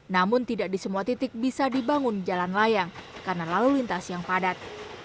namun tidak di semua titik bisa dibangun jalan layang karena lalu lintas yang padat